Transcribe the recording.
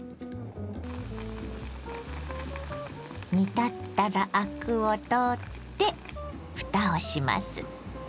煮立ったらアクを取ってふたをします。